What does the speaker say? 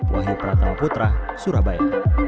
wahyu pratama putra surabaya